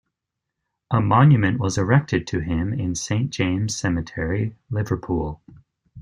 A monument was erected to him in Saint James Cemetery, Liverpool.